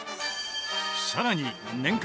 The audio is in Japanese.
さらに年間